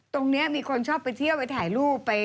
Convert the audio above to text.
ตรงนี้มีคนชอบไปเที่ยวไปถ่ายรูปไป